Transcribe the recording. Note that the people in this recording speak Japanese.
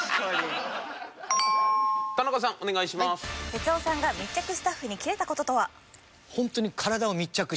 哲夫さんが密着スタッフにキレた事とは？